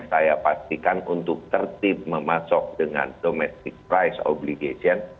saya pastikan untuk tertib memasok dengan domestic price obligation